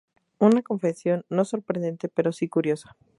Una confesión no sorprendente pero sí curiosa.